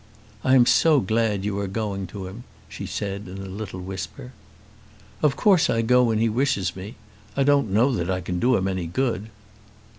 "I am so glad you are going to him," she said in a little whisper. "Of course I go when he wishes me. I don't know that I can do him any good."